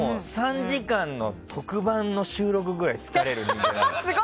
３時間の特番の収録くらい疲れる。